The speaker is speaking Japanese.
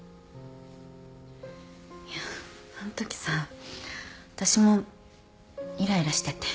いやあんときさあたしもイライラしてて。